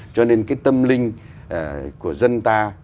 cho nên cái tâm linh của dân ta